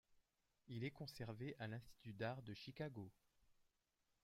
Il est conservé à l'Institut d'art de Chicago.